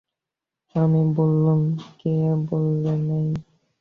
আমি বললুম, কে বললে নেই?